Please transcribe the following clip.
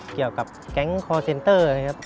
เกี่ยวกับแก๊งคอร์เซ็นเตอร์นะครับ